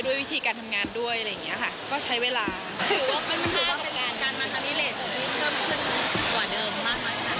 ด้วยวิธีการทำงานด้วยอะไรอย่างเงี้ยค่ะก็ใช้เวลาถือว่ามันถือว่ามันเป็นงานกันมาครั้งนี้เรจมันเพิ่มขึ้นกว่าเดิมมากมาก